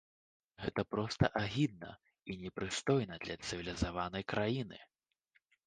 Гэта проста агідна і непрыстойна для цывілізаванай краіны!